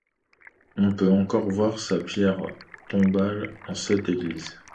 On peut encore voir sa pierre tombale en cette église.